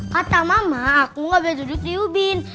kata mama aku gak bisa duduk di ubin